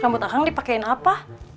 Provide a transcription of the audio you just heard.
rambut akang dipakein apa